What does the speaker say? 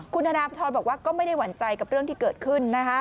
คุณธนทรบอกว่าก็ไม่ได้หวั่นใจกับเรื่องที่เกิดขึ้น